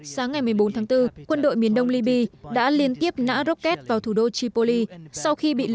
sáng ngày một mươi bốn tháng bốn quân đội miền đông libya đã liên tiếp nã rocket vào thủ đô tripoli